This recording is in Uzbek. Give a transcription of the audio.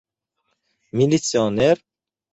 Militsioner?